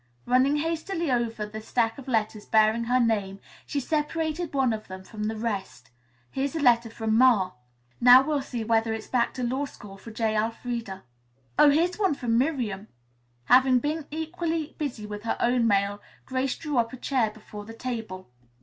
Running hastily over the stack of letters bearing her name, she separated one of them from the rest. "Here's the letter from Ma. Now we'll see whether its back to law school for J. Elfreda." "Oh, here's one from Miriam." Having been equally busy with her own mail, Grace drew up a chair before the table.